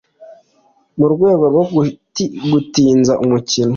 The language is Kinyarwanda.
mu rwego rwo gutinza umukino